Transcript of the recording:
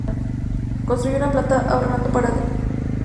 Construyó una planta, ahorrando para agregarle pared por pared.